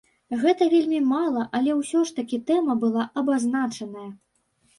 Гэта вельмі мала, але ўсё ж такі тэма была абазначаная.